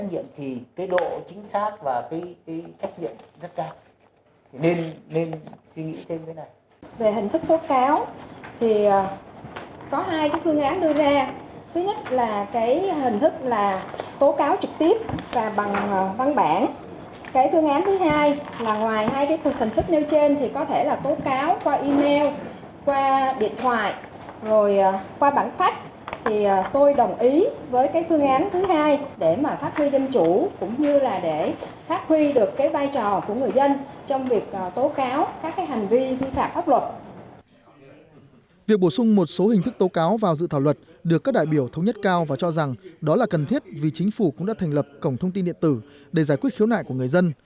việc bổ sung một số hình thức tố cáo vào dự thảo luật được các đại biểu thống nhất cao và cho rằng đó là cần thiết vì chính phủ cũng đã thành lập cổng thông tin điện tử để giải quyết khiếu nại của người dân